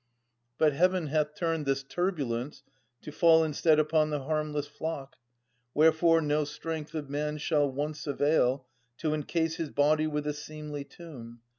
But Heaven hath turned this turbulence , To fall instead upon the harmless flock. Wherefore no strength of man shall once avail To encase his body with a seemly tomb.